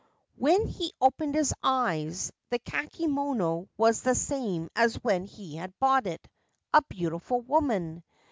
When he opened his eyes, the kakemono was the same as when he had bought it : a beautiful woman.